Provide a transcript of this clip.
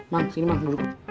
bang sini bang duduk